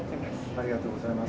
ありがとうございます。